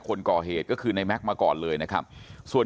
ตรของหอพักที่อยู่ในเหตุการณ์เมื่อวานนี้ตอนค่ำบอกให้ช่วยเรียกตำรวจให้หน่อย